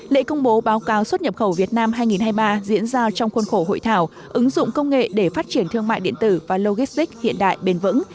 điểm cao xuất nhập khẩu việt nam hai nghìn hai mươi ba diễn ra trong khuôn khổ hội thảo ứng dụng công nghệ để phát triển thương mại điện tử và logistic hiện đại bền vững